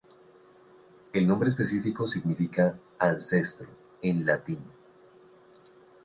El nombre específico significa "ancestro" en latín.